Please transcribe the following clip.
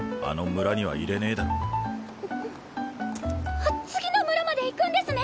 あっ次の村まで行くんですね？